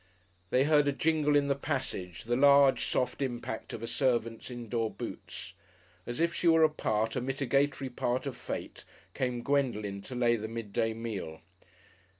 They heard a jingle in the passage, the large soft impact of a servant's indoor boots. As if she were a part, a mitigatory part of Fate, came Gwendolen to lay the midday meal.